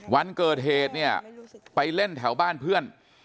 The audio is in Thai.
วันเกิดเหตุเนี่ยไปเล่นแถวบ้านเพื่อน